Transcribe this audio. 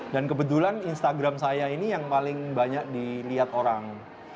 dan kebetulan instagram saya ini yang paling banyak dilihat orang